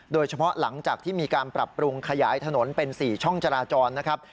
โดยเฉพาะหลังจากที่มีการปรับปรุงขยายถนนเป็น๔ช่องจราจรนะครับ